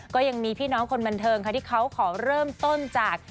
ก็ยังมีพี่น้องคนบันเทิงค่ะที่เขาขอเริ่มต้นจาก